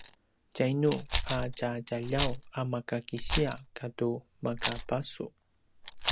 tjainu a tja djaljaw a maka kisiya katu maka basu?